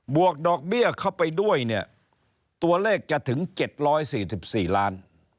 วกดอกเบี้ยเข้าไปด้วยเนี่ยตัวเลขจะถึง๗๔๔ล้าน